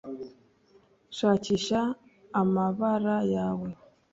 shakisha amabara yawe